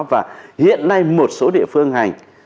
và hiện nay một số địa phương hành